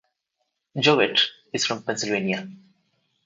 Jewitt is from Pennsylvania.